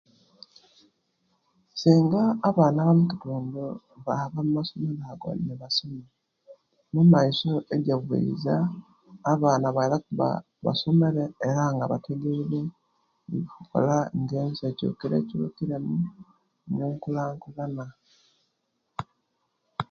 Singa abaana bamukitundu baba okumasomero ago nebasoma amaiso ejebwiza abaana baiza kuba nga basomere era nga bategeire ebiyokukola nga ensi ekyukirekyukiremu ne'nkulankulana